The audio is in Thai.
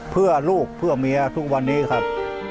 เพื่อลูกเพื่อเมียทุกวันนี้ครับ